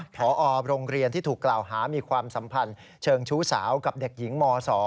พอโรงเรียนที่ถูกกล่าวหามีความสัมพันธ์เชิงชู้สาวกับเด็กหญิงม๒